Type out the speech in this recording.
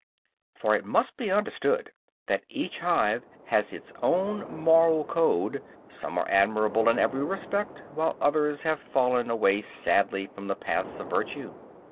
For it must be understood that each hive has its own moral code; some are admirable in every respect, while others have fallen away sadly from the paths of virtue.